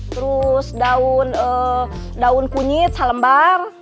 terus daun eh daun kunyit salembar